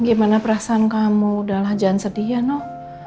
gimana perasaan kamu udah lajangan sedia noh